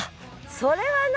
それはな。